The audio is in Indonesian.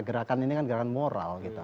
gerakan ini kan gerakan moral gitu